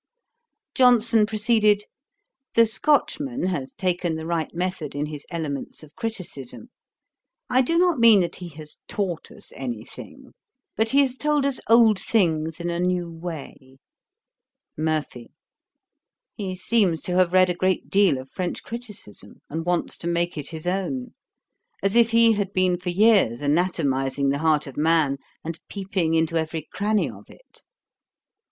Johnson proceeded: 'The Scotchman has taken the right method in his Elements of Criticism. I do not mean that he has taught us any thing; but he has told us old things in a new way.' MURPHY. 'He seems to have read a great deal of French criticism, and wants to make it his own; as if he had been for years anatomising the heart of man, and peeping into every cranny of it.'